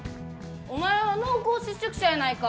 お前は濃厚接触者やないか。